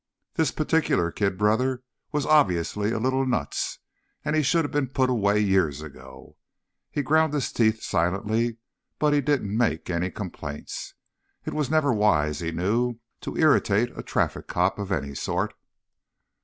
This particular kid brother was obviously a little nuts, and should have been put away years ago. He ground his teeth silently, but he didn't make any complaints. It was never wise, he knew, to irritate a traffic cop of any sort.